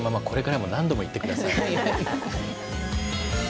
これからも何度も言って下さい。